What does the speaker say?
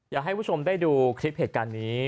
อยากให้คุณผู้ชมได้ดูคลิปเหตุการณ์นี้